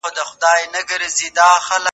هغه کسان چې ورزش کوي باید وچې مېوې وخوري.